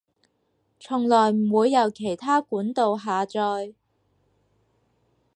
從來唔會由其它管道下載